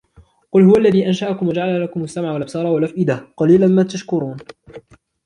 قل هو الذي أنشأكم وجعل لكم السمع والأبصار والأفئدة قليلا ما تشكرون